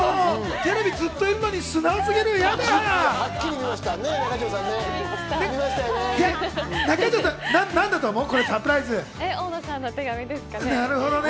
テレビにずっといるのに素直すぎる。ね！